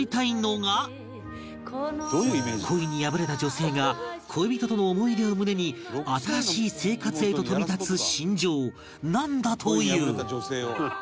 恋に破れた女性が恋人との思い出を胸に新しい生活へと飛び立つ心情なんだという